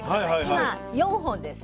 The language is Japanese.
今４本です。